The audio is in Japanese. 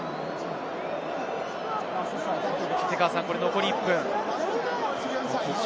残り１分。